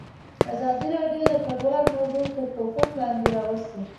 ازادي راډیو د کډوال موضوع تر پوښښ لاندې راوستې.